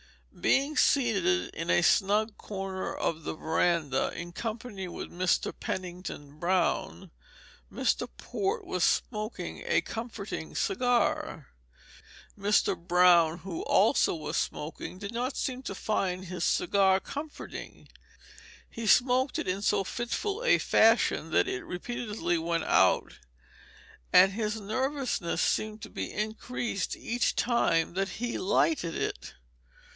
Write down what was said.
Being seated in a snug corner of the veranda in company with Mr. Pennington Brown, Mr. Port was smoking a comforting cigar. Mr. Brown, who also was smoking, did not seem to find his cigar comforting. He smoked it in so fitful a fashion that it repeatedly went out; and his nervousness seemed to be increased each time that he lighted it.